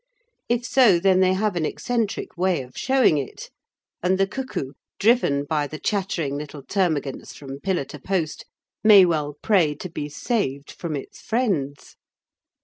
If so, then they have an eccentric way of showing it, and the cuckoo, driven by the chattering little termagants from pillar to post, may well pray to be saved from its friends.